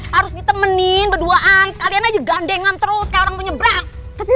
harus ditemenin berdua aja sekalian aja gandengan terus kayak orang penyebrang